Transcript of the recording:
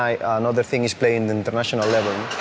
แฟนแฟนพูดถึงว่าว่าอันนี้น่าจะเป็นหนึ่งคนที่จะต้องกลับมาติดในชุดนี้